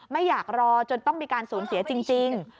ไม่อยากรอจนต้องมีการสูญเสียจริง